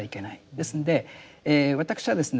ですんで私はですね